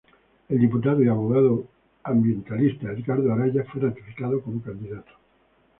El diputado y abogado ambientalista Edgardo Araya fue ratificado como candidato.